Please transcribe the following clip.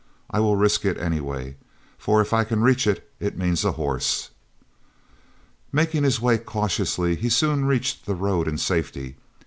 "I will risk it anyway, for if I can reach it, it means a horse." Making his way cautiously he soon reached the road in safety.